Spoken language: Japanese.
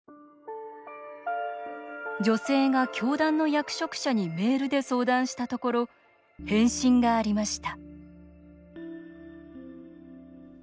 女性が教団の役職者にメールで相談したところ返信がありました